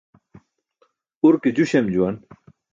Urke ju śem juwan.